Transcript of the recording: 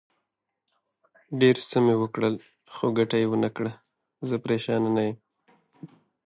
ډېر څه مې وکړل، خو ګټه یې ونه کړه، زه پرېشانه نه یم.